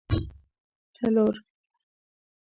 څلور